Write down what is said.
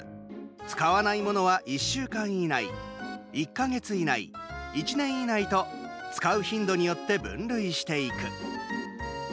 使わないものは、１週間以内１か月以内、１年以内と使う頻度によって分類していく。